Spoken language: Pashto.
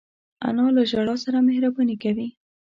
انا له ژړا سره مهربانې کوي